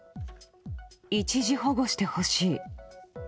一時保護してほしい。